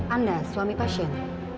anda suami pasien